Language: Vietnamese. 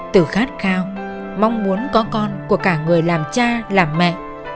từ khát khao mong muốn có con của cả người làm cha làm mẹ